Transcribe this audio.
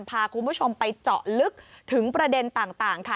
พาคุณผู้ชมไปเจาะลึกถึงประเด็นต่างค่ะ